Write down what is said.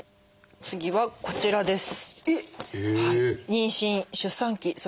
次はこちらです。